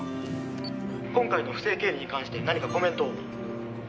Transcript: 「今回の不正経理に関して何かコメントを」